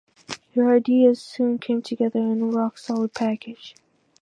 Their ideas soon came together in a rock-solid package.